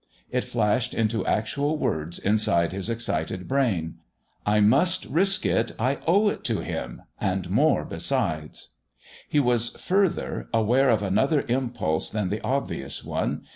It flashed into actual words inside his excited brain: "I must risk it. I owe it to him and more besides!" He was, further, aware of another impulse than the obvious one.